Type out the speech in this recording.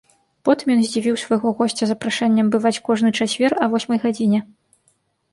Потым ён здзівіў свайго госця запрашэннем бываць кожны чацвер а восьмай гадзіне.